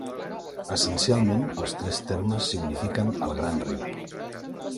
Essencialment, els tres termes signifiquen "el gran riu".